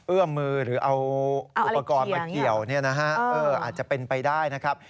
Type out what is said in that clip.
เอื้อมมือหรือเอาอุปกรณ์มาเกี่ยวอาจจะเป็นไปได้นะครับ